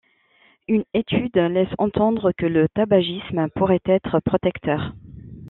Une étude laisse entendre que le tabagisme pourrait être protecteur.